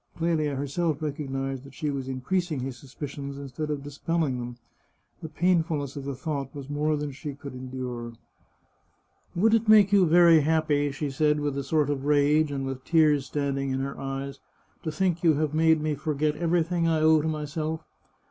Clelia herself recognised that she was increasing his suspicions, instead of dispelling them. The painfulness of the thought was more than she could endure. 369 The Chartreuse of Parma " Would it make you very happy," she said, with a sort of rage, and with tears standing in her eyes, " to think you have made me forget everything I owe to myself